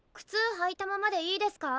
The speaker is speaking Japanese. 履いたままでいいですか？